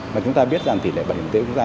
mà chúng ta biết là tỷ lệ bảo hiểm y tế